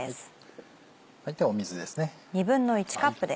水ですね。